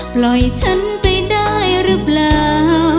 ปล่อยฉันไปได้รึเปล่า